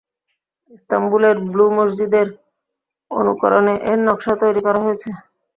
ইস্তাম্বুলের blue মসজিদের অনুকরণে এর নকশা তৈরি করা হয়েছে।